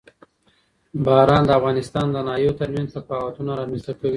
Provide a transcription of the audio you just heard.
باران د افغانستان د ناحیو ترمنځ تفاوتونه رامنځ ته کوي.